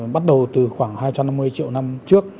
bắt đầu từ khoảng hai trăm năm mươi triệu năm trước